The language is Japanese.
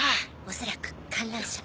恐らく観覧車。